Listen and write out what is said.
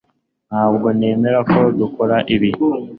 Ntabwo nemera ko dukora ibi